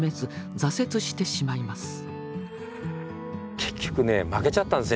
結局ね負けちゃったんですね。